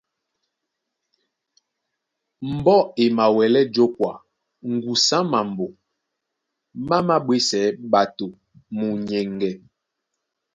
Mbɔ́ e mawɛlɛ́ jǒkwa ŋgusu á mambo má māɓwésɛɛ́ ɓato munyɛŋgɛ.